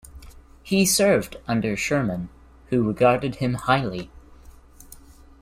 He served under Sherman, who regarded him highly.